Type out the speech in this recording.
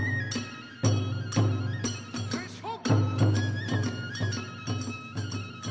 よいしょ！